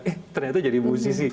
eh ternyata jadi musisi